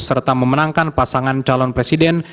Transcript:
serta memenangkan pasangan calon presiden